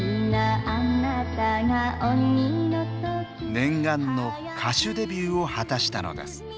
念願の歌手デビューを果たしたのです。